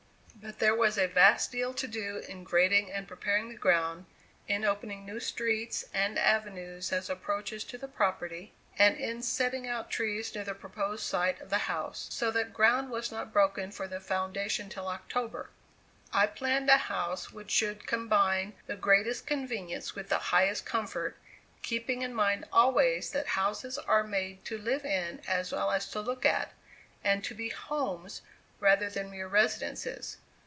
But there was a vast deal to do in grading and preparing the ground, in opening new streets and avenues as approaches to the property, and in setting out trees near the proposed site of the house; so that ground was not broken for the foundation till October. I planned a house which should combine the greatest convenience with the highest comfort, keeping in mind always that houses are made to live in as well as to look at, and to be "homes" rather than mere residences.